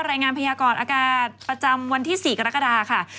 รายงานพยากรอากาศประจำวันที่๔กรกฎาค่ะ